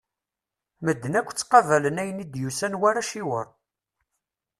Medden akk ttaqabalen ayen i d-yusan war aciwer.